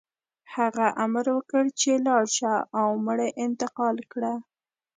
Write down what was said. هغه امر وکړ چې لاړ شه او مړي انتقال کړه